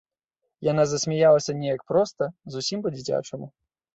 Яна засмяялася неяк проста, зусім па-дзіцячаму.